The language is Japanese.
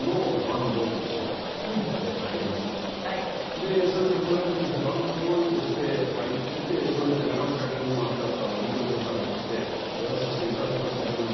でそれでクール・ファイブとしてバンドボーイとして入っていてそれで『長崎は今日も雨だった』をリードボーカルとしてやらさせて頂きましたけども。